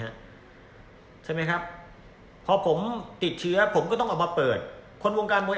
ใช่ไหมครับพอผมติดเชื้อผมก็ต้องเอามาเปิดคนวงการมวย